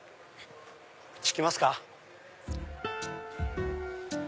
こっち行きますか。